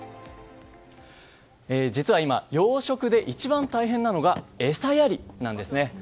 実は今、養殖で一番大変なのが餌やりなんですね。